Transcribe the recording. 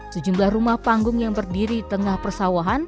sejumlah rumah panggung yang berdiri tengah persawahan